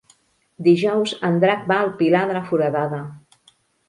Dijous en Drac va al Pilar de la Foradada.